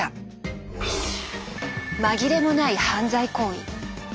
紛れもない犯罪行為。